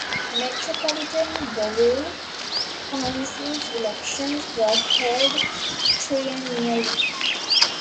Metropolitan borough councils elections were held triennially.